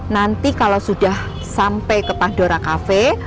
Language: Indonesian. nanti kalau sudah sampai ke pandora kafe